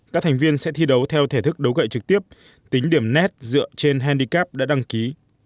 các thành viên sẽ thi đấu theo thể thức đấu gậy trực tiếp tính điểm net dựa trên hendy cap đã đăng ký